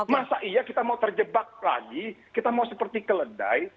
masa iya kita mau terjebak lagi kita mau seperti keledai